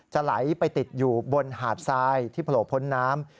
ไหลไปติดอยู่บนหาดทรายที่โผล่พ้นน้ำ